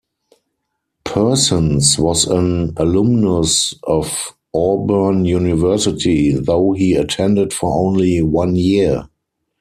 Persons was an alumnus of Auburn University, though he attended for only one year.